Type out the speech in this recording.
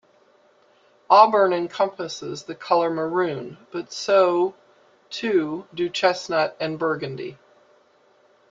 Auburn encompasses the color maroon, but so too do chestnut and burgundy.